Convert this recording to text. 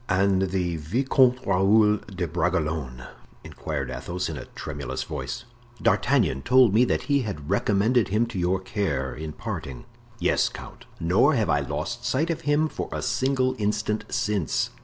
"And the Vicomte Raoul de Bragelonne?" inquired Athos, in a tremulous voice. "D'Artagnan told me that he had recommended him to your care, in parting." "Yes, count; nor have I lost sight of him for a single instant since."